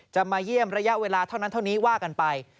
จะมาเยี่ยมระยะเวลาเท่านั้นเท่านี้ว่ากันไป